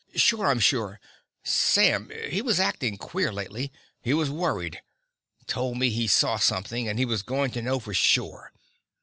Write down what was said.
"Sure I'm sure. Sam, he was acting queer lately. He was worried. Told me he saw something, and he was going to know for sure.